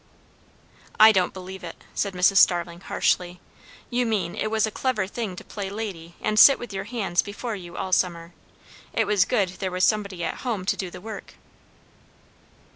"I don't believe it!" said Mrs. Starling harshly. "You mean, it was a clever thing to play lady and sit with your hands before you all summer. It was good there was somebody at home to do the work."